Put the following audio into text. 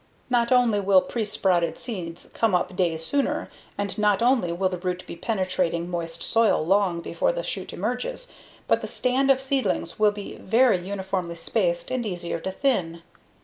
Not only will presprouted seeds come up days sooner, and not only will the root be penetrating moist soil long before the shoot emerges, but the stand of seedlings will be very uniformly spaced and easier to thin.